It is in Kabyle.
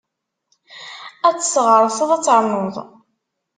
Ad tesɣeṛṣeḍ, ad ternuḍ!